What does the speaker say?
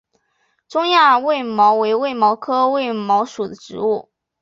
中亚卫矛为卫矛科卫矛属的植物。